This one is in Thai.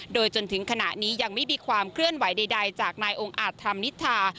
โดยจนถึงขณะนี้ยังไม่มีความเคลื่อนไหวใดจากนายองค์อาจธรรมนิษฐา